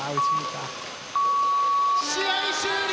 試合終了。